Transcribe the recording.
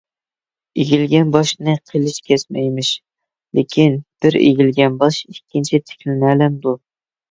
ئېگىلگەن باشنى قىلىچ كەسمەيمىش. لېكىن، بىر ئېگىلگەن باش ئىككىنچى تىكلىنەلەمدۇ؟